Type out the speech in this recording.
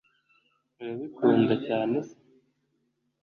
urabikunda cyane se